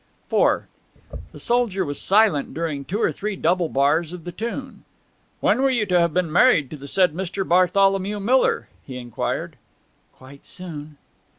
IV The soldier was silent during two or three double bars of the tune. 'When were you to have been married to the said Mr. Bartholomew Miller?' he inquired. 'Quite soon.'